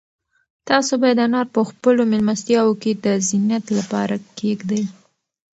تاسو باید انار په خپلو مېلمستیاوو کې د زینت لپاره کېږدئ.